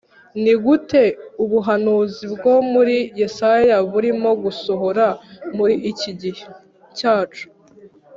Ni gute ubuhanuzi bwo muri yesaya burimo busohora muri iki gihe cyacu